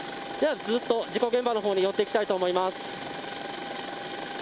では、ずっと事故現場のほうに寄っていきたいと思います。